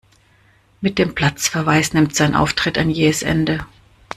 Mit dem Platzverweis nimmt sein Auftritt ein jähes Ende.